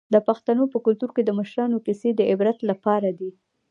د پښتنو په کلتور کې د مشرانو کیسې د عبرت لپاره دي.